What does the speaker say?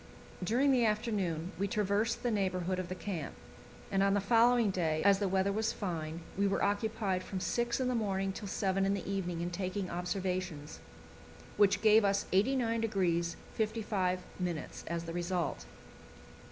During the afternoon we traversed the neighbourhood of the camp, and on the following day, as the weather was fine, we were occupied from six in the morning till seven in the evening in taking observations, which gave us 89° 55' as the result.